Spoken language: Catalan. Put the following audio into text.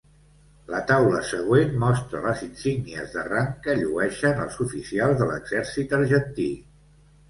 La taula següent mostra les insígnies de rang que llueixen els oficials de l'exèrcit argentí.